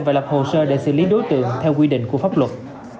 và lập hồ sơ để xử lý đối tượng theo quy định của pháp luật